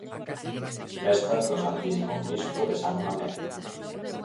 Festas do Santísimo Cristo de San Mamede.